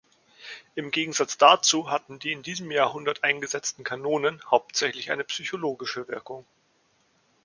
Im Gegensatz dazu hatten die in diesem Jahrhundert eingesetzten Kanonen hauptsächlich eine psychologische Wirkung.